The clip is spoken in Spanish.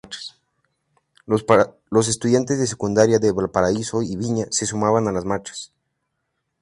Los estudiantes de secundaria de Valparaíso y Viña se sumaban a las marchas.